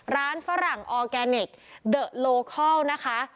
ฝรั่งออร์แกนิคเดอะโลคอลนะคะ